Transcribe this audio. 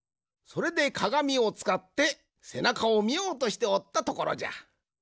それでかがみをつかってせなかをみようとしておったところじゃ。